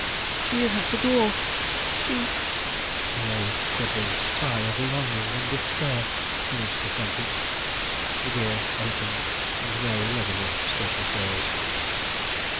she is at the door! she " a low, shuddering sigh of longing and despair finished the sentence: the door opened, and Mary Leavenworth stood before us!